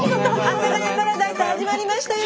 阿佐ヶ谷パラダイス始まりましたよ